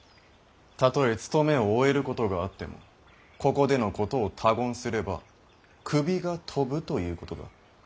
たとえ勤めを終えることがあってもここでのことを他言すれば首が飛ぶということだ。